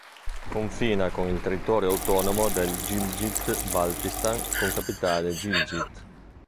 Confina con il territorio autonomo del Gilgit-Baltistan, con capitale Gilgit.